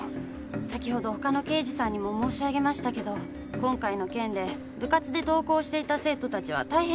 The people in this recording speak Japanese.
先ほどほかの刑事さんにも申し上げましたけど今回の件で部活で登校していた生徒たちは大変動揺しています。